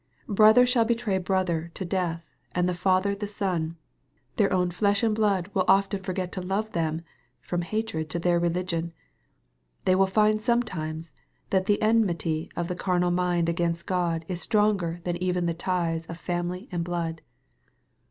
" Brother shall betray brother to death, and the father the son." Their own flesh and blood will often forget to love them, from hatred to their religion. They will find some times that the enmity of the carnal mind against Grod, is stronger than even the ties of family and blood.